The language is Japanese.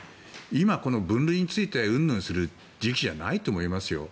今この分類についてうんぬんする時期じゃないと思いますよ。